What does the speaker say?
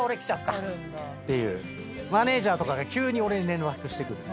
マネジャーとかが急に俺に連絡してくる。